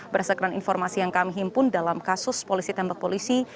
berdasarkan informasi yang kami himpun dalam kasus polisi tembak polisi